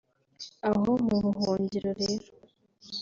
Aho mu buhungiro rero